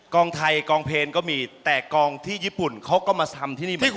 กองไทยกองเพลก็มีแต่กองที่ญี่ปุ่นเขาก็มาทำที่นี่เหมือนกัน